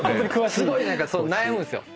すごい悩むんすよ。